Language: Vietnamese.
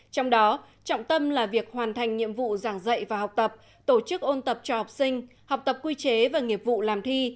trong đó trọng tâm là việc hoàn thành nhiệm vụ giảng dạy và học tập tổ chức ôn tập cho học sinh học tập quy chế và nghiệp vụ làm thi